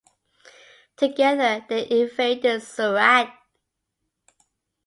Together they invaded Surat.